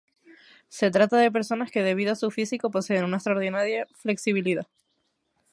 Se trata de personas que debido a su físico poseen una extraordinaria flexibilidad.